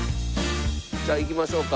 じゃあ行きましょうか。